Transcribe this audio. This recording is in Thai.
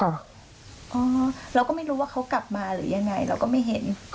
เพราะเราก็ไม่รู้ว่าเขากลับมาหรือยังไงเราก็ไม่เห็น